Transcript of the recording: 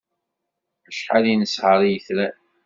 Acḥal i nesher i yetran!